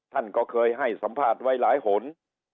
ท่านก็เคยให้สัมภาษณ์ไว้หลายหน